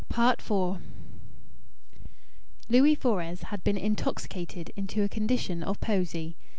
IV Louis Fores had been intoxicated into a condition of poesy.